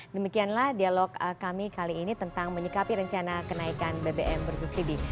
demikianlah dialog kami kali ini tentang menyikapi rencana kenaikan bbm bersubsidi